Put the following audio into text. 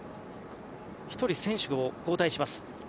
１人、選手を交代します。